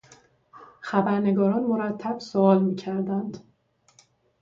خبرنگاران مرتب سئوال میکردند.